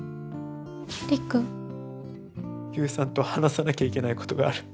悠さんと話さなきゃいけないことがある。